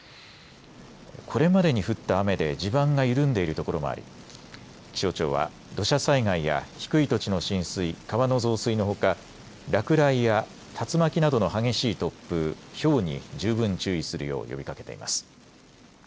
これまでに降った雨で地盤が緩んでいる所もあり気象庁は土砂災害や低い土地の浸水、川の増水のほか落雷や竜巻などの激しい突風、ひょうに十分注意するよう呼びかけています。